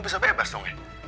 bisa bebas dong ya